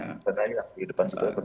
karena yang di depan situ